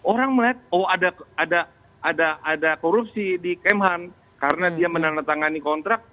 orang melihat oh ada korupsi di kemhan karena dia menandatangani kontrak